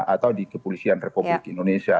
atau di kepolisian republik indonesia